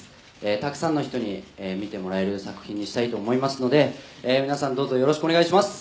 「たくさんの人に見てもらえる作品にしたいと思いますので皆さんどうぞよろしくお願いします」「」